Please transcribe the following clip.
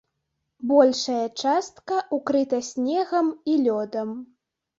Большая частка ўкрыта снегам і лёдам.